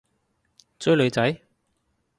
追女仔？